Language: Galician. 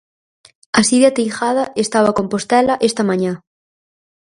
Así de ateigada estaba Compostela esta mañá.